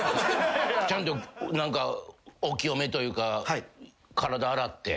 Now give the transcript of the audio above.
ちゃんとお清めというか体洗って？